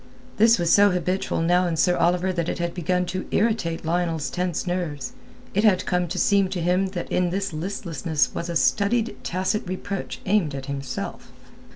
This was so habitual now in Sir Oliver that it had begun to irritate Lionel's tense nerves; it had come to seem to him that in this listlessness was a studied tacit reproach aimed at himself.